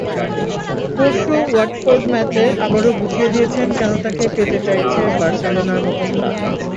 পরশু ওয়াটফোর্ড ম্যাচে আবারও বুঝিয়ে দিয়েছেন কেন তাঁকে পেতে চাইছে বার্সেলোনার মতো ক্লাব।